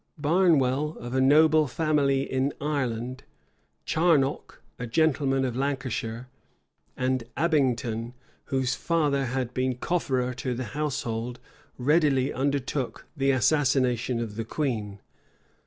Barnwell, of a noble family in Ireland, Charnoc, a gentleman of Lancashire, and Abington, whose father had been cofferer to the household readily undertook the assassination of the queen.